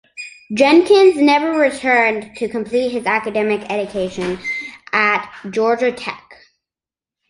Jenkins never returned to complete his academic education at Georgia Tech.